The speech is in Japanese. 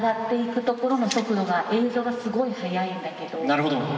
なるほど。